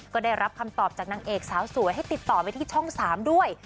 ก็ได้รับคำตอบจากนางเอกสาวสวยให้ติดต่อไปที่ช่อง๓ด้วย